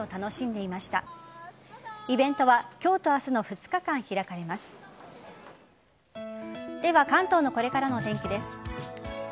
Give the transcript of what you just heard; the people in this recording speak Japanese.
では関東のこれからのお天気です。